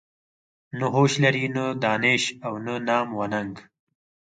نه هوش لري نه دانش او نه نام و ننګ.